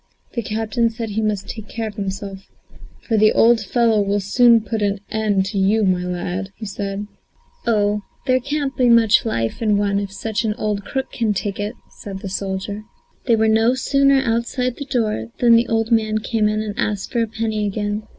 The captain said he must take care of himself, "for the old fellow will soon put an end to you, my lad," said he. "Oh, there can't be much life in one if such an old crook can take it," said the soldier. They were no sooner outside the door, than the old man came in and asked for a penny again.